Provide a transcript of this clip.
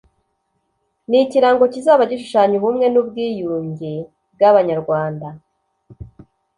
Ni ikirango kizaba gishushanya ubumwe nubwiyunge bw abanyarwanda